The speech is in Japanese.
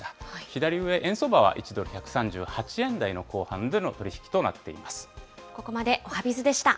左上、円相場は１ドル１３８円台の後半での取り引きとなっていまここまで、おはＢｉｚでした。